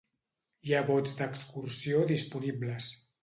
Hi ha bots d'excursió disponibles.